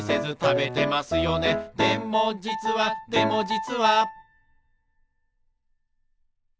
「でもじつはでもじつは」